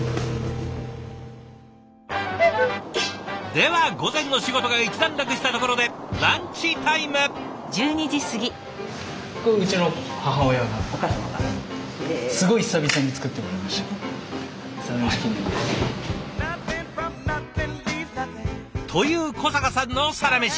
では午前の仕事が一段落したところでランチタイム！という小坂さんのサラメシ！